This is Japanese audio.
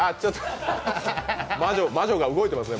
魔女が動いてますね。